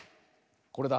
これだ。